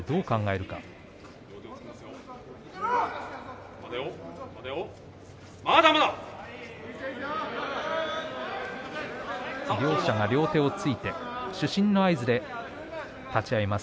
まだまだ。両者両手をついて主審の合図で立ち合います